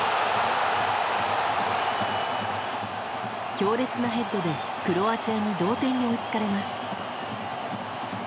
強烈なヘッドで、クロアチアに同点に追いつかれます。